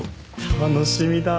楽しみだ。